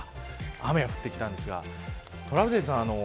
雨が降ってきたんですがトラウデンさん。